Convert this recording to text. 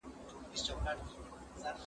زه به سبا کالي وپرېولم!؟